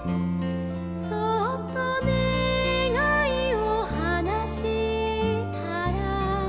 「そっとねがいをはなしたら」